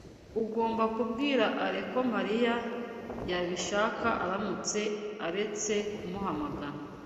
Ugomba kubwira Alain ko Marina yabishaka aramutse aretse kumuhamagara.